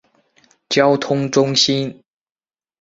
交通中心。